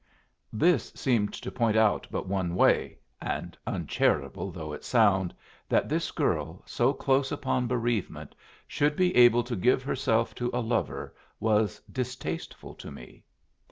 This seemed to point but one way; and (uncharitable though it sound) that this girl, so close upon bereavement, should be able to give herself to a lover was distasteful to me.